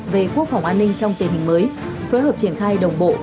về quốc phòng an ninh trong kế hình mới